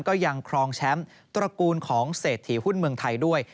ก็ยังครองแชมป์ตระกูลของเศรษฐีหุ้นเมืองไทยด้วย